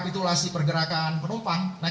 kita bisa lihat juga pergerakan pergerakan pergerakan